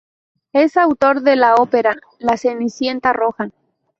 Es autor de la ópera "La Cenicienta roja".